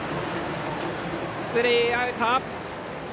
スリーアウト。